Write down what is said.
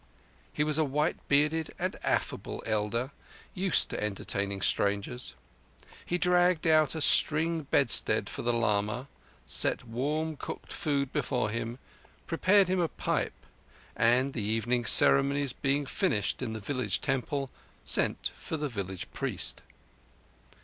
He was a white bearded and affable elder, used to entertaining strangers. He dragged out a string bedstead for the lama, set warm cooked food before him, prepared him a pipe, and, the evening ceremonies being finished in the village temple, sent for the village priest.